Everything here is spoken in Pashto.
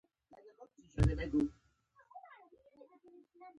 غوماشې ډېر ژر خپرېږي.